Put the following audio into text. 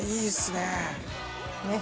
ねっ！